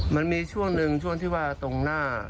มันมีช่วงหนึ่งช่วงที่ว่าตรงหน้า